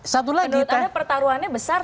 satu lagi menurut anda pertaruhannya besar